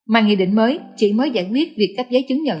mà nghị định mới chỉ mới giải quyết việc cấp giấy chứng nhận